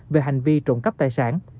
về hành vi trộn cắp tài sản